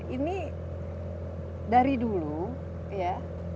ini dari dulu ya